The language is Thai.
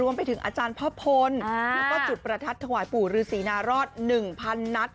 ไปถึงอาจารย์พ่อพลแล้วก็จุดประทัดถวายปู่ฤษีนารอด๑๐๐นัด